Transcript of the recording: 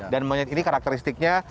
dan monyet ini karakteristiknya